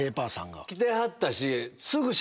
来てはったし。